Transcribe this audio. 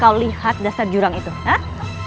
kau lihat dasar jurang itu hah